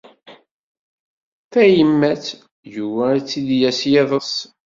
Tayemmat, yugi ad tt-id-yas yiḍes.